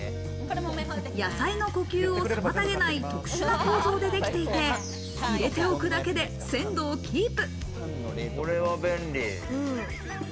野菜の呼吸を妨げない特殊な構造でできていて、入れておくだけで鮮度をキープ。